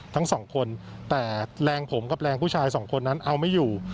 ทั้งสองคนแต่แรงผมกับแรงผู้ชายสองคนนั้นเอาไม่อยู่